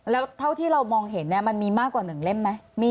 แล้วเท่าที่เรามองเห็นมันมีมากกว่า๑เล่มไหม